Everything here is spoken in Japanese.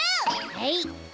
はい。